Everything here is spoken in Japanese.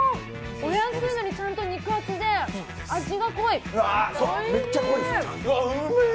お安いのにちゃんと肉厚でうわ、うめえ！